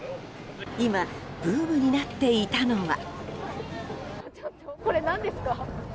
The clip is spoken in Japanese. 今、ブームになっていたのは。